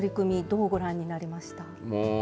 どうご覧になりました。